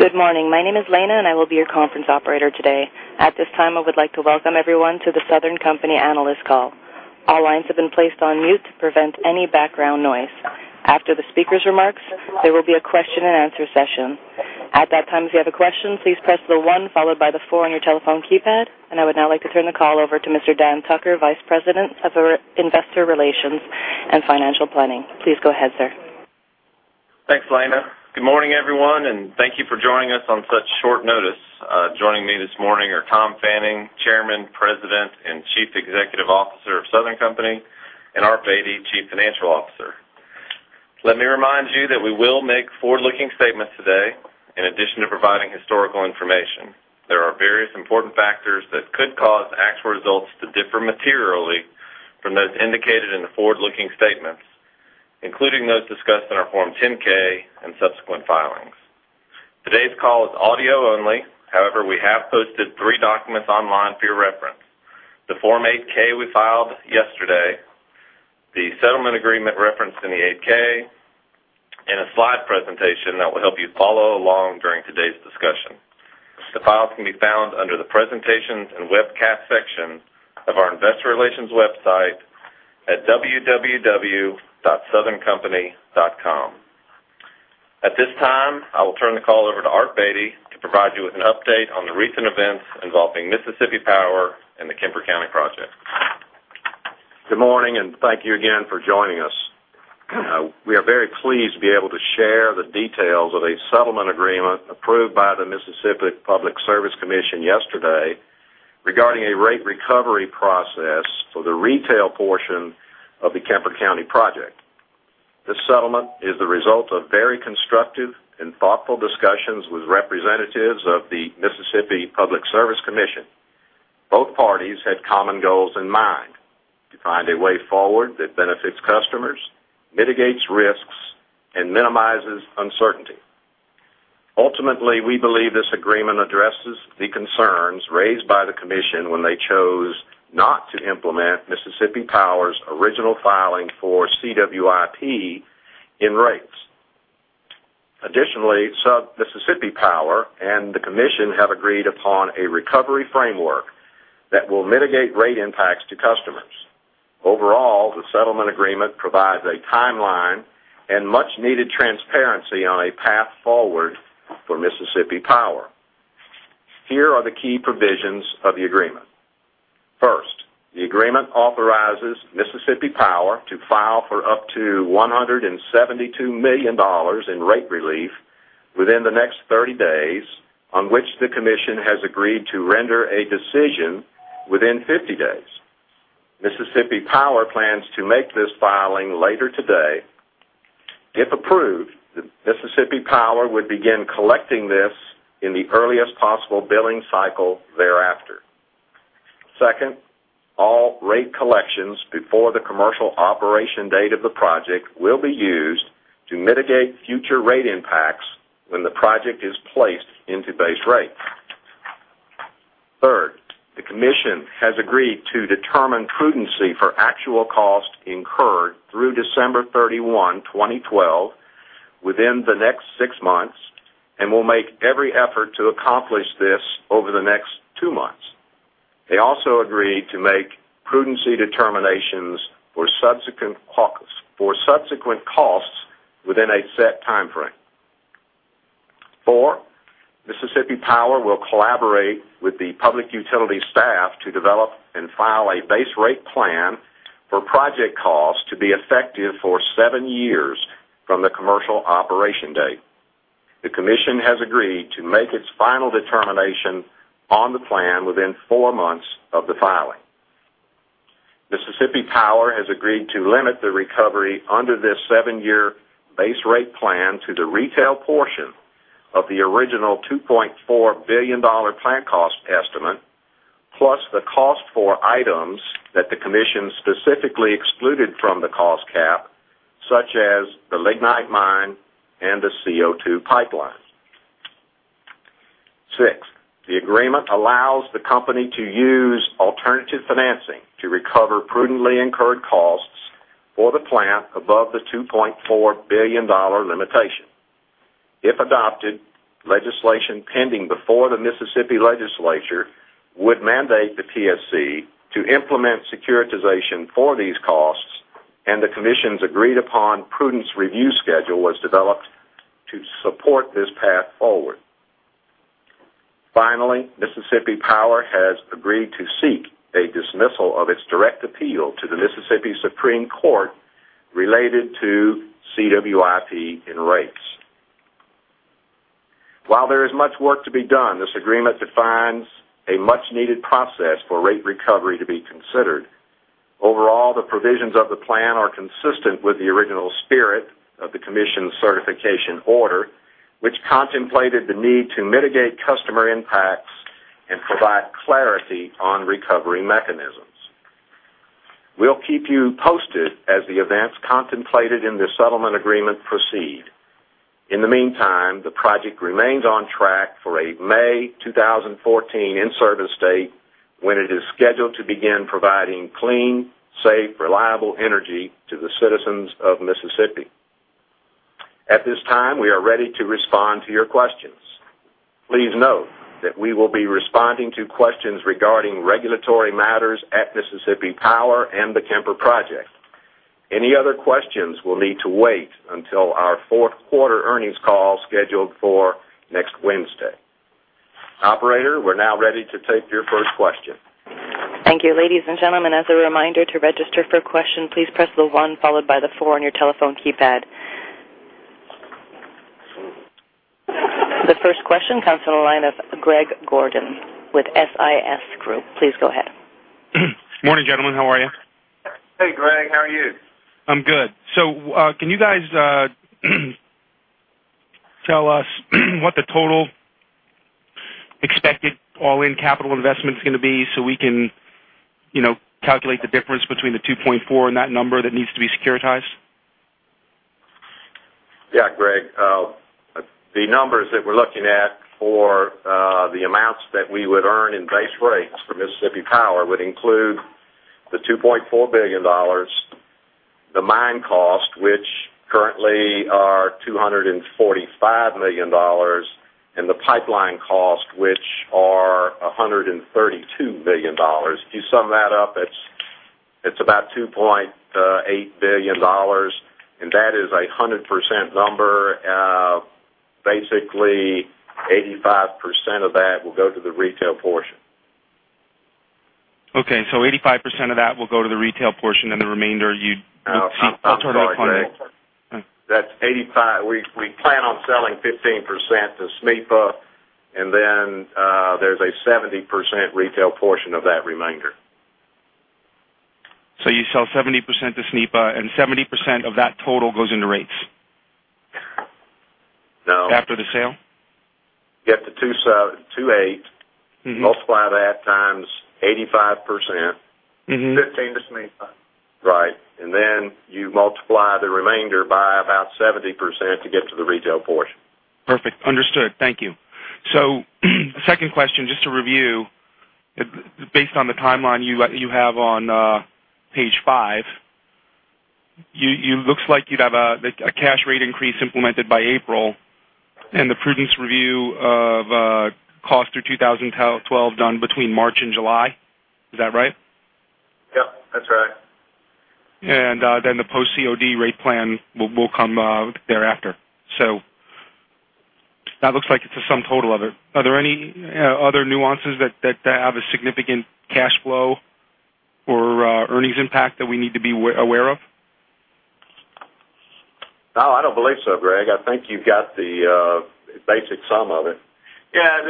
Good morning. My name is Lena, and I will be your conference operator today. At this time, I would like to welcome everyone to the Southern Company analyst call. All lines have been placed on mute to prevent any background noise. After the speaker's remarks, there will be a question-and-answer session. At that time, if you have a question, please press the one followed by the four on your telephone keypad. I would now like to turn the call over to Mr. Dan Tucker, Vice President of Investor Relations and Financial Planning. Please go ahead, sir. Thanks, Lena. Good morning, everyone, and thank you for joining us on such short notice. Joining me this morning are Tom Fanning, Chairman, President, and Chief Executive Officer of Southern Company, and Art Beattie, Chief Financial Officer. Let me remind you that we will make forward-looking statements today in addition to providing historical information. There are various important factors that could cause actual results to differ materially from those indicated in the forward-looking statements, including those discussed in our Form 10-K and subsequent filings. Today's call is audio only. However, we have posted three documents online for your reference. The Form 8-K we filed yesterday, the settlement agreement referenced in the 8-K, and a slide presentation that will help you follow along during today's discussion. The files can be found under the presentations and webcast section of our investor relations website at www.southerncompany.com. At this time, I will turn the call over to Art Beattie to provide you with an update on the recent events involving Mississippi Power and the Kemper County project. Good morning. Thank you again for joining us. We are very pleased to be able to share the details of a settlement agreement approved by the Mississippi Public Service Commission yesterday regarding a rate recovery process for the retail portion of the Kemper County project. This settlement is the result of very constructive and thoughtful discussions with representatives of the Mississippi Public Service Commission. Both parties had common goals in mind to find a way forward that benefits customers, mitigates risks, and minimizes uncertainty. Ultimately, we believe this agreement addresses the concerns raised by the commission when they chose not to implement Mississippi Power's original filing for CWIP in rates. Additionally, Sub Mississippi Power and the commission have agreed upon a recovery framework that will mitigate rate impacts to customers. Overall, the settlement agreement provides a timeline and much needed transparency on a path forward for Mississippi Power. Here are the key provisions of the agreement. First, the agreement authorizes Mississippi Power to file for up to $172 million in rate relief within the next 30 days, on which the commission has agreed to render a decision within 50 days. Mississippi Power plans to make this filing later today. If approved, Mississippi Power would begin collecting this in the earliest possible billing cycle thereafter. Second, all rate collections before the commercial operation date of the project will be used to mitigate future rate impacts when the project is placed into base rate. Third, the commission has agreed to determine prudency for actual cost incurred through December 31, 2012, within the next six months and will make every effort to accomplish this over the next two months. They also agreed to make prudency determinations for subsequent costs within a set timeframe. Four, Mississippi Power will collaborate with the public utility staff to develop and file a base rate plan for project costs to be effective for seven years from the commercial operation date. The commission has agreed to make its final determination on the plan within four months of the filing. Mississippi Power has agreed to limit the recovery under this seven-year base rate plan to the retail portion of the original $2.4 billion plan cost estimate, plus the cost for items that the commission specifically excluded from the cost cap, such as the lignite mine and the CO2 pipeline. Six, the agreement allows the company to use alternative financing to recover prudently incurred costs for the plant above the $2.4 billion limitation. If adopted, legislation pending before the Mississippi legislature would mandate the PSC to implement securitization for these costs. The commission's agreed-upon prudence review schedule was developed to support this path forward. Finally, Mississippi Power has agreed to seek a dismissal of its direct appeal to the Mississippi Supreme Court related to CWIP in rates. While there is much work to be done, this agreement defines a much needed process for rate recovery to be considered. Overall, the provisions of the plan are consistent with the original spirit of the commission's certification order, which contemplated the need to mitigate customer impacts and provide clarity on recovery mechanisms. We'll keep you posted as the events contemplated in this settlement agreement proceed. In the meantime, the project remains on track for a May 2014 in-service date when it is scheduled to begin providing clean, safe, reliable energy to the citizens of Mississippi. At this time, we are ready to respond to your questions. Please note that we will be responding to questions regarding regulatory matters at Mississippi Power and the Kemper Project. Any other questions will need to wait until our fourth-quarter earnings call scheduled for next Wednesday. Operator, we're now ready to take your first question. Thank you. Ladies and gentlemen, as a reminder, to register for a question, please press the one followed by the four on your telephone keypad. The first question comes from the line of Greg Gordon with ISI Group. Please go ahead. Morning, gentlemen. How are you? Hey, Greg. How are you? I'm good. Can you guys tell us what the total expected all-in capital investment's going to be so we can calculate the difference between the $2.4 and that number that needs to be securitized? Greg. The numbers that we're looking at for the amounts that we would earn in base rates for Mississippi Power would include the $2.4 billion, the mine cost, which currently are $245 million, and the pipeline cost, which are $132 million. If you sum that up, it's about $2.8 billion, that is a 100% number. Basically, 85% of that will go to the retail portion. 85% of that will go to the retail portion, the remainder you'd see ultimately funded. I'm sorry, Greg. Oh. We plan on selling 15% to SMEPA, then there's a 70% retail portion of that remainder. You sell 70% to SMEPA, and 70% of that total goes into rates? No. After the sale? Get to 28. Multiply that times 85%. 15 to SMEPA. Right. Then you multiply the remainder by about 70% to get to the retail portion. Perfect. Understood. Thank you. Second question, just to review, based on the timeline you have on page five, looks like you'd have a cash rate increase implemented by April, and the prudence review of cost through 2012 done between March and July. Is that right? Yep, that's right. Then the post COD rate plan will come thereafter. That looks like it's a sum total of it. Are there any other nuances that have a significant cash flow or earnings impact that we need to be aware of? No, I don't believe so, Greg. I think you've got the basic sum of it. Yeah,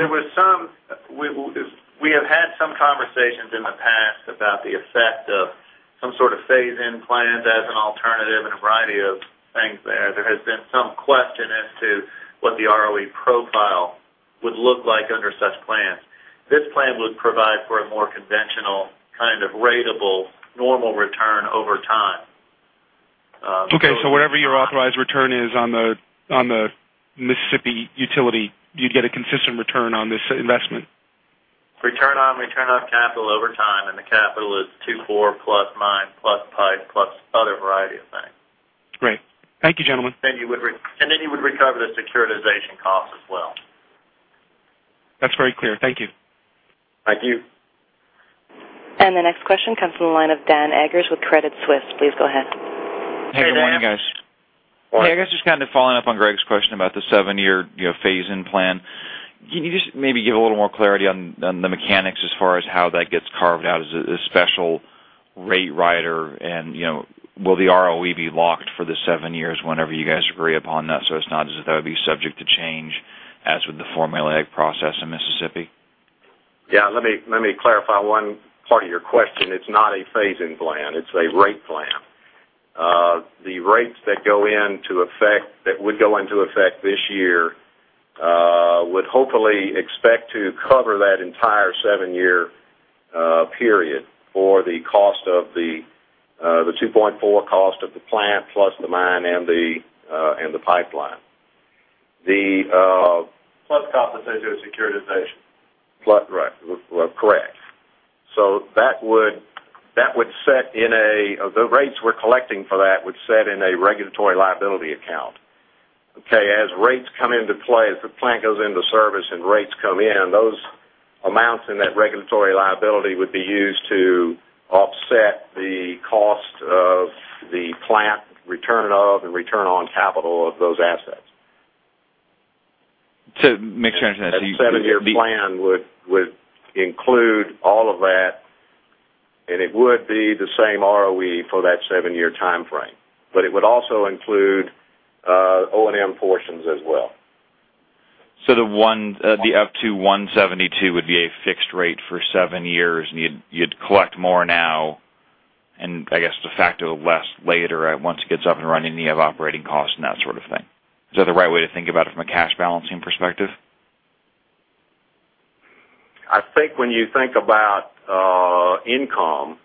we have had some conversations in the past about the effect of some sort of phase-in plan as an alternative and a variety of things there. There has been some question as to what the ROE profile would look like under such plans. This plan would provide for a more conventional kind of ratable normal return over time. Whatever your authorized return is on the Mississippi utility, you'd get a consistent return on this investment. Return on capital over time, The capital is two four plus mine plus pipe plus other variety of things. Great. Thank you, gentlemen. You would recover the securitization cost as well. That's very clear. Thank you. Thank you. The next question comes from the line of Dan Eggers with Credit Suisse. Please go ahead. Hey, Dan. Hey, good morning, guys. Morning. Hey, I guess just kind of following up on Greg's question about the seven-year phase-in plan. Can you just maybe give a little more clarity on the mechanics as far as how that gets carved out as a special rate rider? Will the ROE be locked for the seven years whenever you guys agree upon that so it's not as if that would be subject to change as with the formulaic process in Mississippi? Yeah, let me clarify one part of your question. It is not a phase-in plan. It is a rate plan. The rates that would go into effect this year would hopefully expect to cover that entire seven-year period for the $2.4 cost of the plant plus the mine and the pipeline. Plus compensation and securitization. Correct. The rates we are collecting for that would set in a regulatory liability account. Okay? As rates come into play, as the plant goes into service and rates come in, those amounts in that regulatory liability would be used to offset the cost of the plant, return of, and return on capital of those assets. To make sure I understand. You- A seven-year plan would include all of that. It would be the same ROE for that seven-year timeframe. It would also include O&M portions as well. The F two 172 would be a fixed rate for seven years. You'd collect more now and I guess de facto less later once it gets up and running. You have operating costs and that sort of thing. Is that the right way to think about it from a cash balancing perspective? I think when you think about- -income,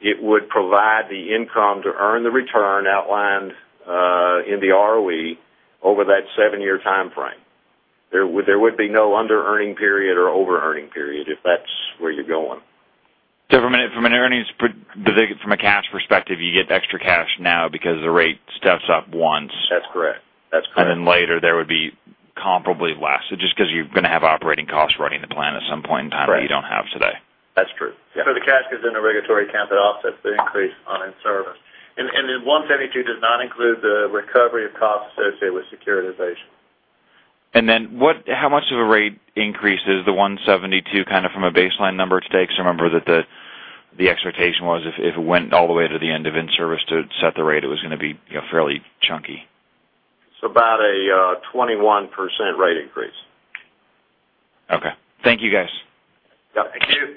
it would provide the income to earn the return outlined in the ROE over that seven-year timeframe. There would be no underearning period or over-earning period, if that's where you're going. From a cash perspective, you get extra cash now because the rate steps up once. That's correct. Later there would be comparably less. Just because you're going to have operating costs running the plant at some point in time. Correct That you don't have today. That's true. Yeah. The cash is in a regulatory account that offsets the increase on in-service. 172 does not include the recovery of costs associated with securitization. How much of a rate increase is the 172 kind of from a baseline number today? Because remember that the expectation was if it went all the way to the end of in-service to set the rate, it was going to be fairly chunky. It's about a 21% rate increase. Okay. Thank you, guys. Yeah. Thank you.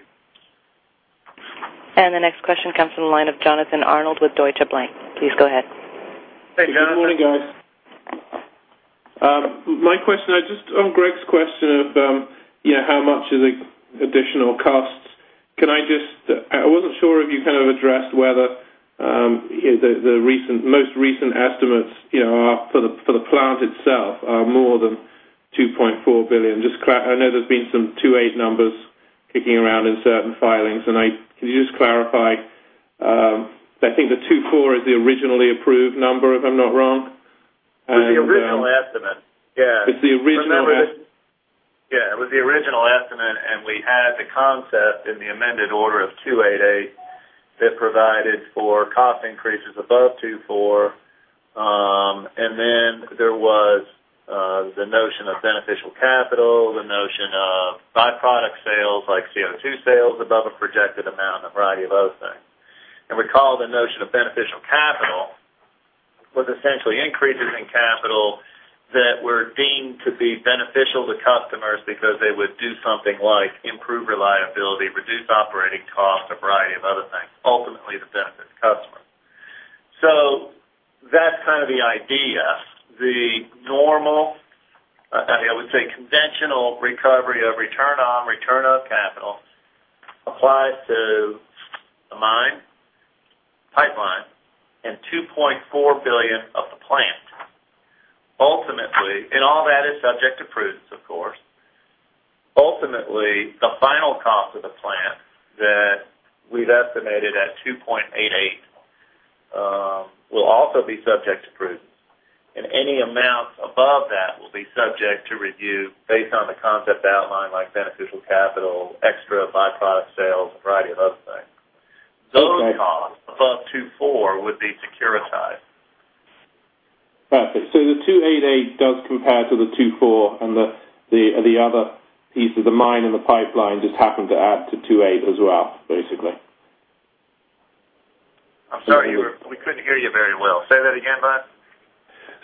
The next question comes from the line of Jonathan Arnold with Deutsche Bank. Please go ahead. Hey, Jonathan. Good morning, guys. My question, just on Greg's question of how much are the additional costs. I wasn't sure if you kind of addressed whether the most recent estimates for the plant itself are more than $2.4 billion. I know there's been some $2.8 numbers kicking around in certain filings. Can you just clarify? I think the $2.4 is the originally approved number, if I'm not wrong. It was the original estimate. Yeah. It's the original- Yeah. It was the original estimate. We had the concept in the amended order of 288 that provided for cost increases above $2.4. There was the notion of beneficial capital, the notion of by-product sales, like CO2 sales above a projected amount, and a variety of other things. Recall the notion of beneficial capital was essentially increases in capital that were deemed to be beneficial to customers because they would do something like improve reliability, reduce operating costs, a variety of other things, ultimately to benefit the customer. That's kind of the idea. The normal, I would say, conventional recovery of return on, return of capital applies to the mine, pipeline, and $2.4 billion of the plant. All that is subject to prudence, of course. Ultimately, the final cost of the plant that we've estimated at $2.88, will also be subject to prudence. Any amounts above that will be subject to review based on the concept outline like beneficial capital, extra by-product sales, a variety of other things. Okay. Those costs above $2.4 would be securitized. Got it. The $2.88 does compare to the $2.4 and the other piece of the mine and the pipeline just happen to add to $2.8 as well, basically. I'm sorry. We couldn't hear you very well. Say that again,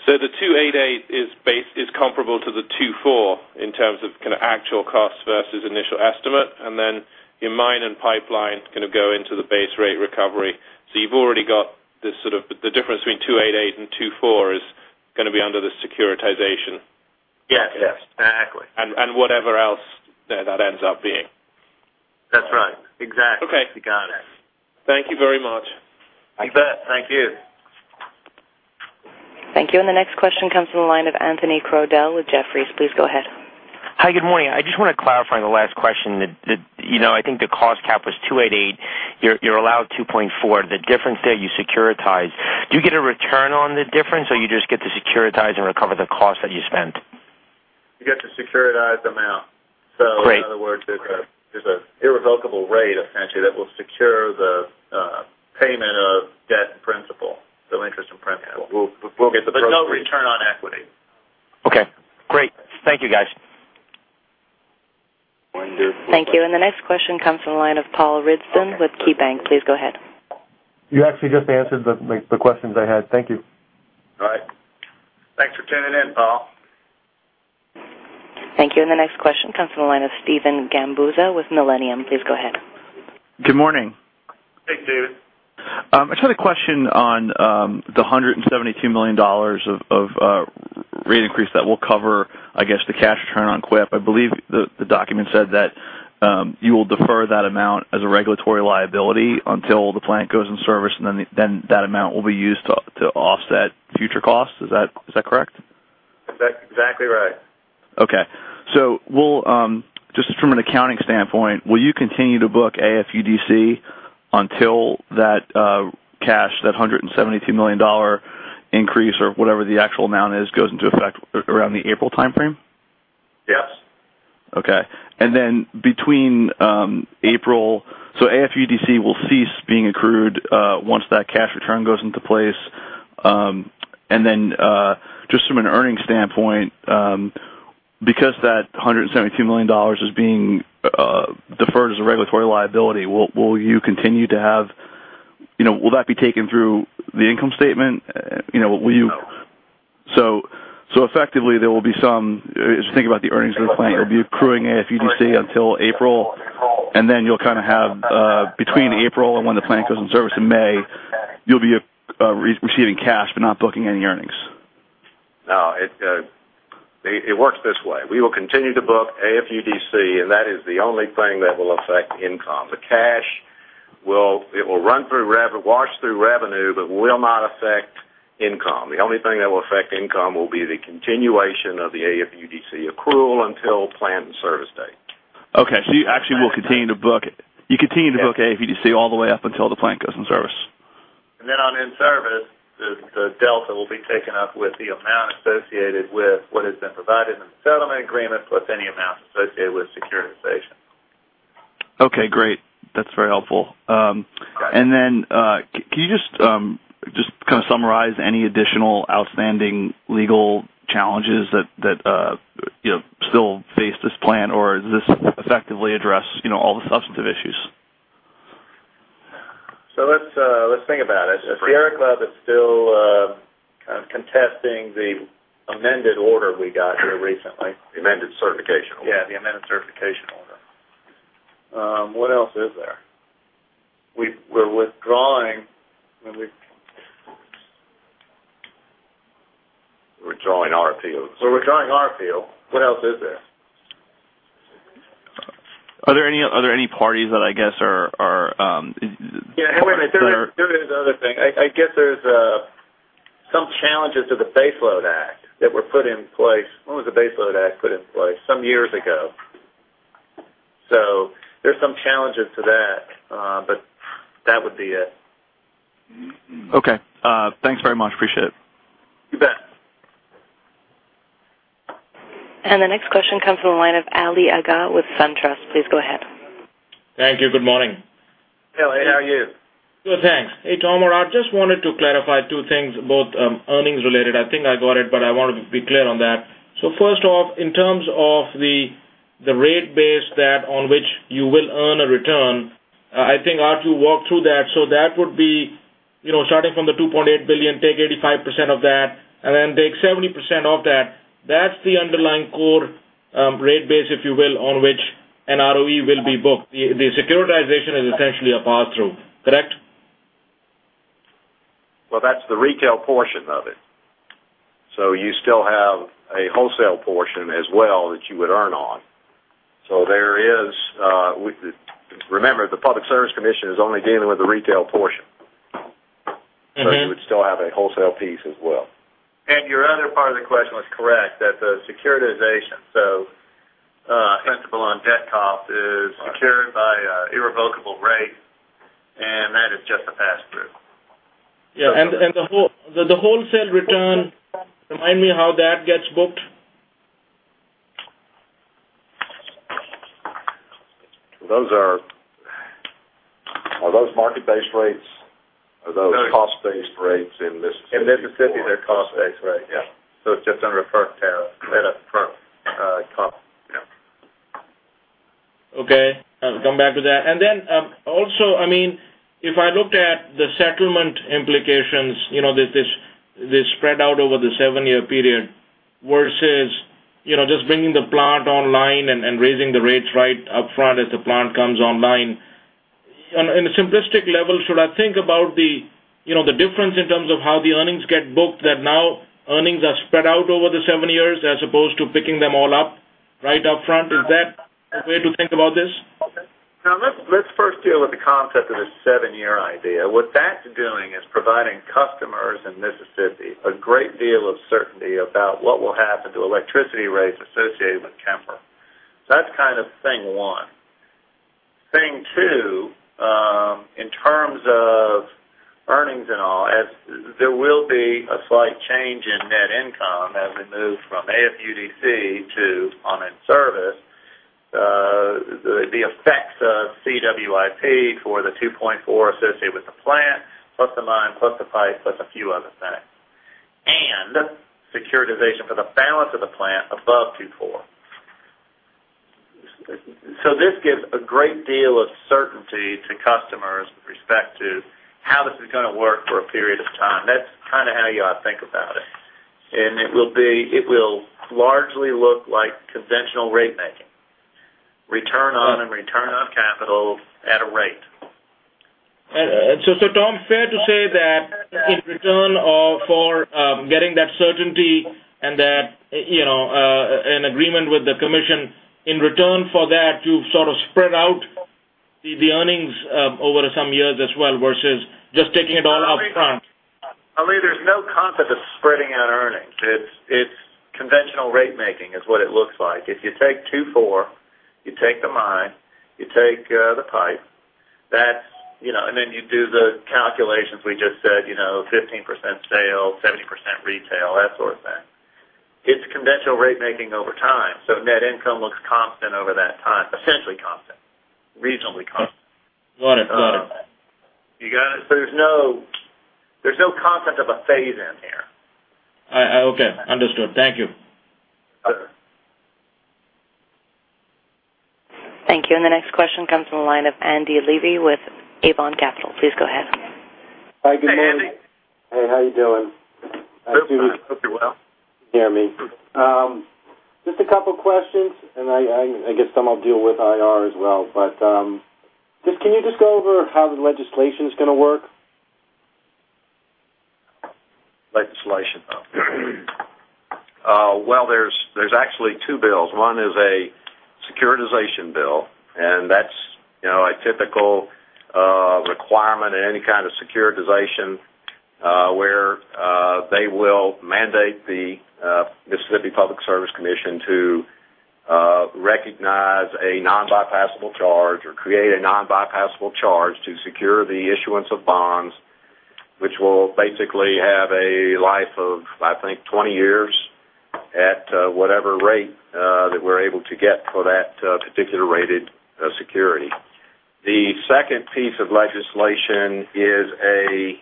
bud. The $2.88 is comparable to the $2.4 in terms of kind of actual cost versus initial estimate. Then your mine and pipeline kind of go into the base rate recovery. You've already got this sort of, the difference between $2.88 and $2.4 is going to be under the securitization. Yes. Exactly. Whatever else that ends up being. That's right. Exactly. Okay. You got it. Thank you very much. You bet. Thank you. Thank you. The next question comes from the line of Anthony Crowdell with Jefferies. Please go ahead. Hi. Good morning. I just want to clarify the last question. I think the cost cap was $288. You're allowed $2.4. The difference there, you securitize. Do you get a return on the difference, or you just get to securitize and recover the cost that you spent? You get to securitize amount. Great. In other words, there's an irrevocable rate, essentially, that will secure the payment of debt and principal. Interest and principal. No return on equity. Okay. Great. Thank you, guys. Thank you. The next question comes from the line of Paul Ridzon with KeyBank. Please go ahead. You actually just answered the questions I had. Thank you. All right. Thanks for tuning in, Paul. Thank you. The next question comes from the line of Steven Gambuzza with Millennium. Please go ahead. Good morning. Hey, Steve. I just had a question on the $172 million of rate increase that will cover, I guess, the cash return on CWIP. I believe the document said that you will defer that amount as a regulatory liability until the plant goes in service, and then that amount will be used to offset future costs. Is that correct? That's exactly right. Okay. Just from an accounting standpoint, will you continue to book AFUDC until that cash, that $172 million increase or whatever the actual amount is, goes into effect around the April timeframe? Yes. Okay. Between April-- AFUDC will cease being accrued once that cash return goes into place. Just from an earnings standpoint, because that $172 million is being deferred as a regulatory liability, will that be taken through the income statement? No. Effectively, there will be some, as you think about the earnings of the plant, it'll be accruing AFUDC until April, and then you'll kind of have between April and when the plant goes in service in May, you'll be receiving cash, but not booking any earnings? No, it works this way. We will continue to book AFUDC, and that is the only thing that will affect income. The cash will run through rev, wash through revenue, but will not affect income. The only thing that will affect income will be the continuation of the AFUDC accrual until plant and service date. Okay. You actually will continue to book it. You continue to book AFUDC all the way up until the plant comes in service. On in-service, the delta will be taken up with the amount associated with what has been provided in the settlement agreement, plus any amount associated with securitization. Okay, great. That's very helpful. Okay. Can you just summarize any additional outstanding legal challenges that still face this plan? Or does this effectively address all the substantive issues? Let's think about it. Sierra Club is still contesting the amended order we got here recently. The amended certification order. Yeah, the amended certification order. What else is there? We're withdrawing Withdrawing our appeal. We're withdrawing our appeal. What else is there? Are there any parties that I guess Yeah. There is another thing. I guess there's some challenges to the Baseload Act that were put in place. When was the Baseload Act put in place? Some years ago. There's some challenges to that. That would be it. Okay. Thanks very much. Appreciate it. You bet. The next question comes from the line of Ali Agha with SunTrust. Please go ahead. Thank you. Good morning. Hey, Ali, how are you? Good, thanks. Hey, Tom, I just wanted to clarify two things, both earnings related. I think I got it, but I wanted to be clear on that. First off, in terms of the rate base that on which you will earn a return, I think Arthur walked through that. That would be starting from the $2.8 billion, take 85% of that, and then take 70% of that. That's the underlying core rate base, if you will, on which an ROE will be booked. The securitization is essentially a pass-through, correct? Well, that's the retail portion of it. You still have a wholesale portion as well that you would earn on. Remember, the Public Service Commission is only dealing with the retail portion. You would still have a wholesale piece as well. Your other part of the question was correct, that the securitization, so principle on debt cost is secured by irrevocable rate, and that is just a pass-through. Yeah. The wholesale return, remind me how that gets booked. Are those market-based rates? Are those cost-based rates in Mississippi? In Mississippi, they're cost-based rates. Yeah. It's just under FERC tariff. Okay. I'll come back to that. Also, if I looked at the settlement implications, they spread out over the seven-year period versus just bringing the plant online and raising the rates right upfront as the plant comes online. On a simplistic level, should I think about the difference in terms of how the earnings get booked that now earnings are spread out over the seven years as opposed to picking them all up right upfront? Is that the way to think about this? Let's first deal with the concept of this 7-year idea. What that's doing is providing customers in Mississippi a great deal of certainty about what will happen to electricity rates associated with Kemper. That's thing one. Thing two, in terms of earnings and all, there will be a slight change in net income as we move from AFUDC to on in-service. The effects of CWIP for the $2.4 associated with the plant, plus the mine, plus the pipe, plus a few other things, and securitization for the balance of the plant above $2.4. This gives a great deal of certainty to customers with respect to how this is going to work for a period of time. That's how you ought to think about it. It will largely look like conventional rate making, return on and return on capital at a rate. Tom, fair to say that in return for getting that certainty and an agreement with the commission, in return for that, you've sort of spread out the earnings over some years as well, versus just taking it all upfront. Ali, there's no concept of spreading out earnings. It's conventional rate making is what it looks like. If you take $2.4, you take the mine, you take the pipe, then you do the calculations we just said, 15% sale, 70% retail, that sort of thing. It's conventional rate making over time. Net income looks constant over that time, essentially constant. Reasonably constant. Got it. You got it? There's no concept of a phase-in here. Okay. Understood. Thank you. Okay. Thank you. The next question comes from the line of Andy Levy with Avon Capital. Please go ahead. Hi, good morning. Hey, Andy. Hey, how you doing? Hope you're well. Can you hear me? Just a couple of questions, and I guess some I'll deal with IR as well, but can you just go over how the legislation's going to work? Well, there's actually two bills. One is a securitization bill, and that's a typical requirement in any kind of securitization, where they will mandate the Mississippi Public Service Commission to recognize a non-bypassable charge or create a non-bypassable charge to secure the issuance of bonds, which will basically have a life of, I think, 20 years at whatever rate that we're able to get for that particular rated security. The second piece of legislation is a,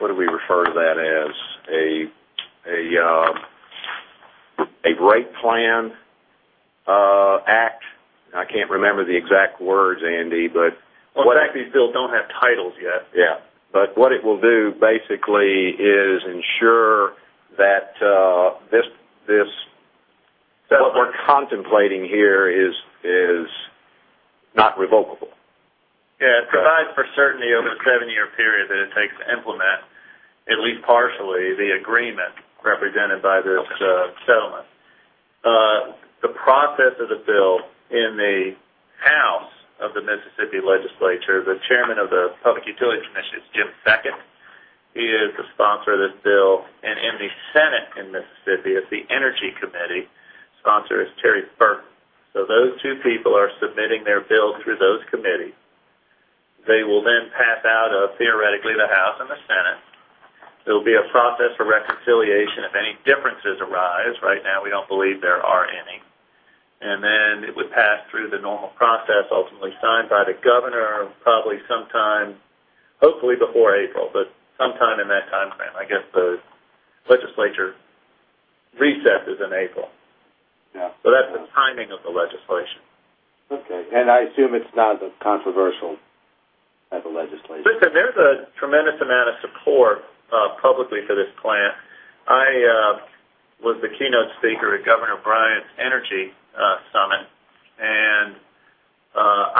what do we refer to that as? A rate plan act. I can't remember the exact words, Andy. Well, in fact, these bills don't have titles yet. What it will do, basically, is ensure that what we're contemplating here is not revocable. It provides for certainty over the seven-year period that it takes to implement, at least partially, the agreement represented by this settlement. The process of the bill in the House of the Mississippi State Legislature, the Chairman of the Public Utilities Commission is Jim Beckham. He is the sponsor of this bill. In the Senate in Mississippi, it's the Senate Energy Committee sponsor is Terry Burton. Those two people are submitting their bills through those committees. They will pass out of, theoretically, the House and the Senate. There'll be a process for reconciliation if any differences arise. Right now, we don't believe there are any. It would pass through the normal process, ultimately signed by the Governor, probably sometime, hopefully before April, but sometime in that timeframe. I guess the legislature recess is in April. Yeah. That's the timing of the legislation. Okay. I assume it's not as controversial at the legislature. Listen, there's a tremendous amount of support publicly for this plant.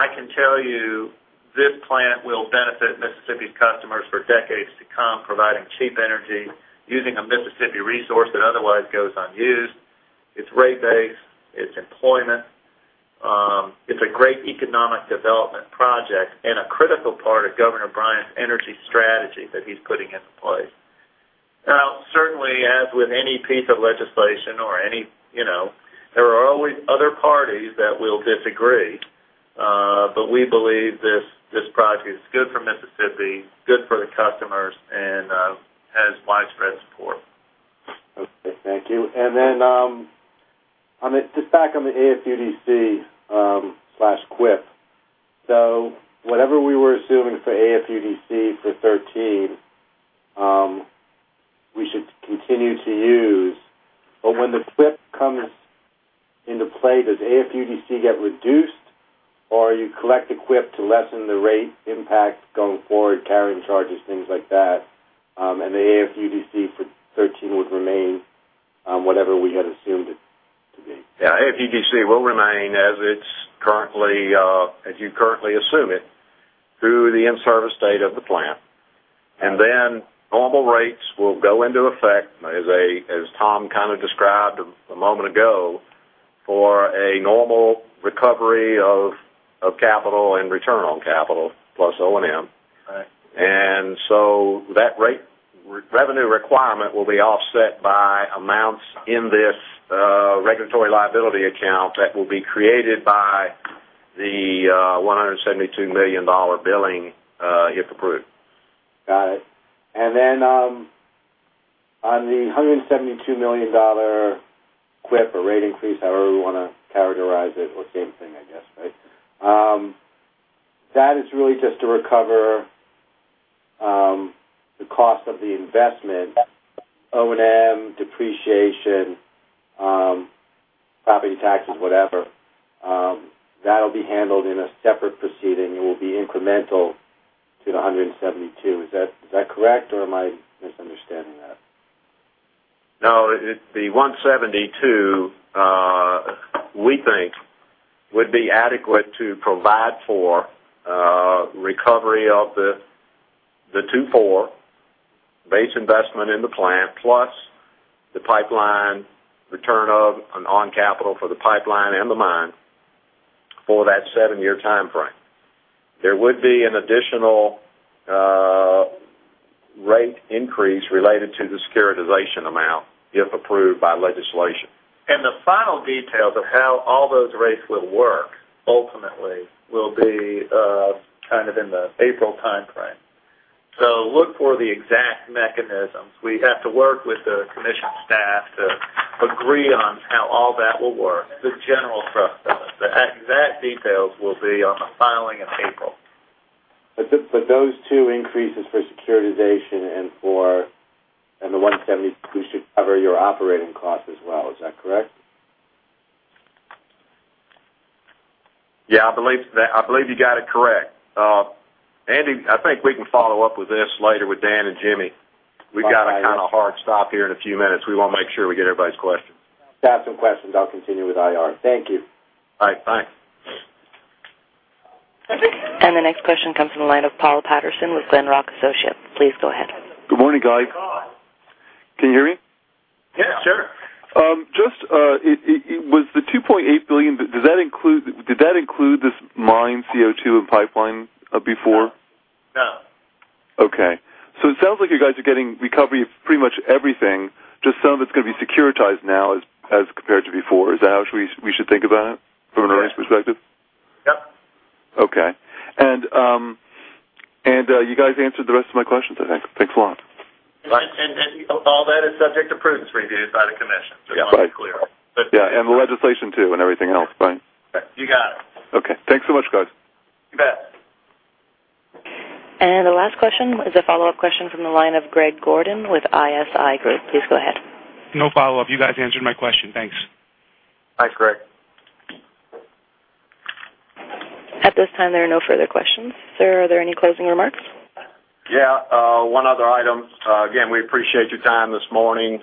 I can tell you this plant will benefit Mississippi customers for decades to come, providing cheap energy using a Mississippi resource that otherwise goes unused. It's rate-based. It's employment. It's a great economic development project and a critical part of Phil Bryant's energy strategy that he's putting into place. Certainly, as with any piece of legislation or any, there are always other parties that will disagree. We believe this project is good for Mississippi, good for the customers, and has widespread support. Okay, thank you. Just back on the AFUDC/CWIP. Whatever we were assuming for AFUDC for 2013, we should continue to use. When the CWIP comes into play, does AFUDC get reduced, or you collect the CWIP to lessen the rate impact going forward, carrying charges, things like that, and the AFUDC for 2013 would remain, whatever we had assumed it to be? Yeah. AFUDC will remain as you currently assume it through the in-service date of the plant. Then normal rates will go into effect, as Tom kind of described a moment ago, for a normal recovery of capital and return on capital, plus O&M. Right. That rate revenue requirement will be offset by amounts in this regulatory liability account that will be created by the $172 million billing, if approved. Got it. Then on the $172 million CWIP or rate increase, however we want to characterize it, or same thing, I guess, right? That is really just to recover the cost of the investment, O&M, depreciation, property taxes, whatever. That will be handled in a separate proceeding and will be incremental to the $172. Is that correct, or am I misunderstanding that? No. The $172, we think, would be adequate to provide for recovery of the two-four base investment in the plant, plus the pipeline return of an on capital for the pipeline and the mine for that seven-year timeframe. There would be an additional rate increase related to the securitization amount if approved by legislation. The final details of how all those rates will work ultimately will be in the April timeframe. Look for the exact mechanisms. We have to work with the commission staff to agree on how all that will work. The general thrust of it. The exact details will be on the filing in April. Those two increases for securitization and the 172 should cover your operating costs as well. Is that correct? Yeah, I believe you got it correct. Andy, I think we can follow up with this later with Dan and Jimmy. We've got a hard stop here in a few minutes. We want to make sure we get everybody's questions. If I have some questions, I'll continue with IR. Thank you. All right, bye. The next question comes from the line of Paul Patterson with Glenrock Associates. Please go ahead. Good morning, guys. Can you hear me? Yeah, sure. Was the $2.8 billion, did that include this mine CO2 and pipeline before? No. Okay. It sounds like you guys are getting recovery of pretty much everything, just some of it's going to be securitized now as compared to before. Is that how we should think about it from an earnings perspective? Yep. Okay. You guys answered the rest of my questions, I think. Thanks a lot. You're welcome. All that is subject to prudence review by the commission. I want to be clear. Yeah. The legislation too, and everything else. Bye. You got it. Okay. Thanks so much, guys. You bet. The last question is a follow-up question from the line of Greg Gordon with ISI Group. Please go ahead. No follow-up. You guys answered my question. Thanks. Thanks, Greg. At this time, there are no further questions. Sir, are there any closing remarks? Yeah. One other item. Again, we appreciate your time this morning.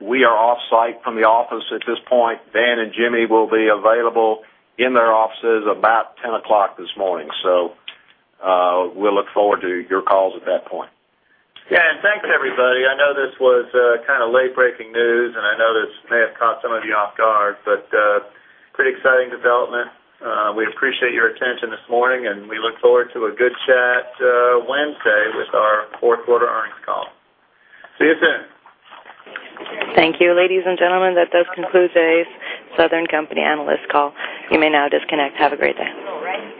We are off-site from the office at this point. Dan and Jimmy will be available in their offices about 10:00 A.M. this morning. We'll look forward to your calls at that point. Yeah, thanks, everybody. I know this was late-breaking news, and I know this may have caught some of you off guard, but pretty exciting development. We appreciate your attention this morning, and we look forward to a good chat Wednesday with our fourth quarter earnings call. See you soon. Thank you, ladies and gentlemen. That does conclude today's Southern Company analyst call. You may now disconnect. Have a great day.